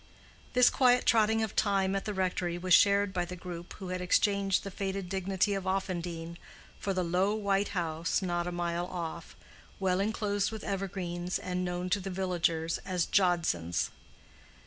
This quiet trotting of time at the rectory was shared by the group who had exchanged the faded dignity of Offendene for the low white house not a mile off, well enclosed with evergreens, and known to the villagers, as "Jodson's."